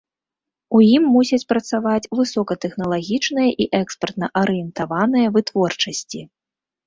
У ім мусяць працаваць высокатэхналагічныя і экспартна-арыентаваныя вытворчасці.